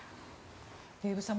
デーブさん